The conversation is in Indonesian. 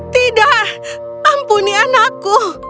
tidak ampuni anakku